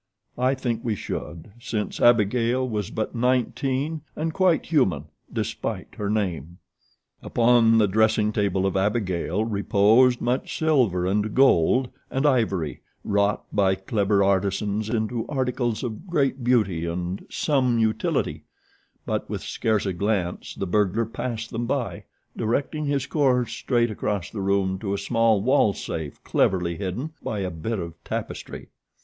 I think we should, since Abigail was but nineteen and quite human, despite her name. Upon the dressing table of Abigail reposed much silver and gold and ivory, wrought by clever artisans into articles of great beauty and some utility; but with scarce a glance the burglar passed them by, directing his course straight across the room to a small wall safe cleverly hidden by a bit of tapestry.